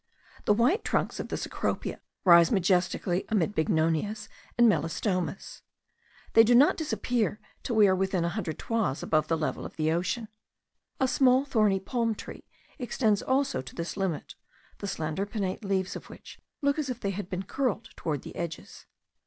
The white trunks of the cecropia rise majestically amid bignonias and melastomas. They do not disappear till we are within a hundred toises above the level of the ocean. A small thorny palm tree extends also to this limit; the slender pinnate leaves of which look as if they had been curled toward the edges.